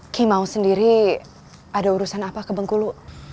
kimau sendiri ada urusan apa ke bengkulu